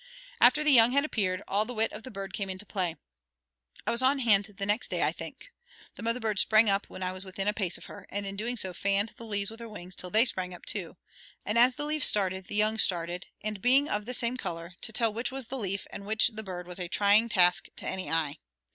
After the young had appeared, all the wit of the bird came into play. I was on hand the next day, I think. The mother bird sprang up when I was within a pace of her, and in doing so fanned the leaves with her wings till they sprang up too; as the leaves started the young started, and, being of the same color, to tell which was the leaf and which the bird was a trying task to any eye.